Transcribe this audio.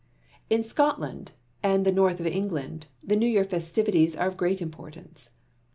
In Scotland and the North of England the New Year festivities are of great importance.